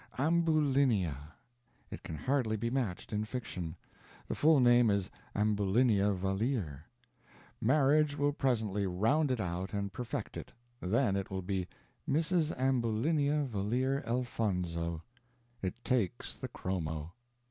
Ambulinia! It can hardly be matched in fiction. The full name is Ambulinia Valeer. Marriage will presently round it out and perfect it. Then it will be Mrs. Ambulinia Valeer Elfonzo. It takes the chromo.